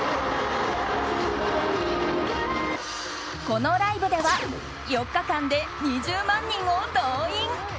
このライブでは４日間で２０万人を動員。